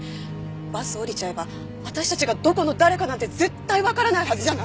バス降りちゃえば私たちがどこの誰かなんて絶対わからないはずじゃない？